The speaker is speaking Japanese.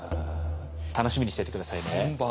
楽しみにしていて下さいね。